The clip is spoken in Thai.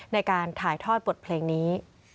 ในการถ่ายทอดบทเพลงนี้